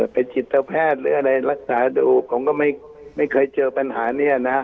เป็นจิตแพทย์หรืออะไรรักษาดูผมก็ไม่เคยเจอปัญหานี้นะครับ